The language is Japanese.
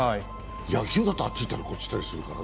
野球だってあっち行ったりこっち行ったりするからね。